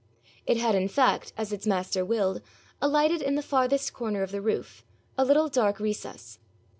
It had in fact, as its master willed, alighted in the farthest corner of the roof, a little dark recess.